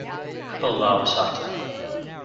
Couple of hours after.